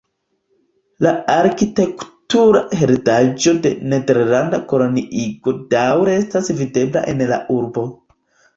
La arkitektura heredaĵo de nederlanda koloniigo daŭre estas videbla en la urbo.